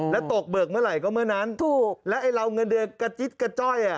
แล้วตกเบิกเมื่อไหร่ก็เมื่อนั้นถูกแล้วไอ้เราเงินเดือนกระจิ๊ดกระจ้อย